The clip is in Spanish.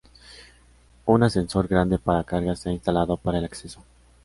Un ascensor grande para carga se ha instalado para el acceso.